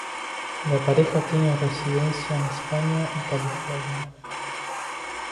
La pareja tiene residencia en España y California.